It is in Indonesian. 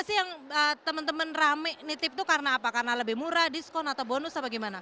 apa sih yang teman teman rame nitip itu karena apa karena lebih murah diskon atau bonus apa gimana